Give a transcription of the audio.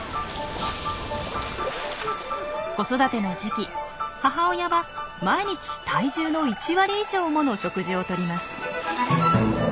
子育ての時期母親は毎日体重の１割以上もの食事をとります。